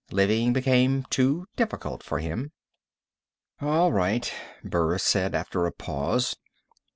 Living became too difficult for him." "All right," Burris said after a pause.